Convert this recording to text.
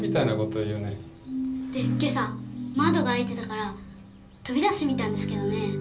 で今朝窓が開いてたから飛び出してみたんですけどね。